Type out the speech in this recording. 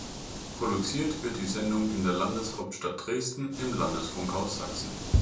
Produziert wird die Sendung in der Landeshauptstadt Dresden im Landesfunkhaus Sachsen.